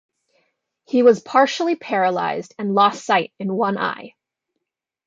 He was partially paralyzed and lost sight in one eye.